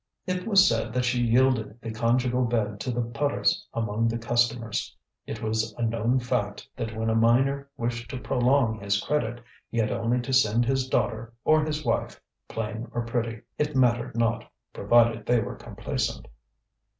It was said that she yielded the conjugal bed to the putters among the customers. It was a known fact that when a miner wished to prolong his credit, he had only to send his daughter or his wife, plain or pretty, it mattered not, provided they were complaisant.